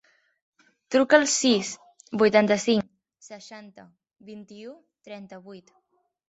Truca al sis, vuitanta-cinc, seixanta, vint-i-u, trenta-vuit.